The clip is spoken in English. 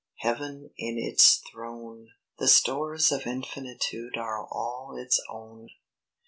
Heaven is its throne! The stores of infinitude are all its own!